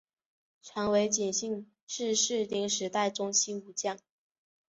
长尾景信是室町时代中期武将。